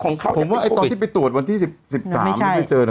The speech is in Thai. ของเขาจะผมว่าตอนที่ไปตรวจวันที่สีบสามไม่เจอนะ